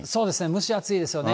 蒸し暑いですよね。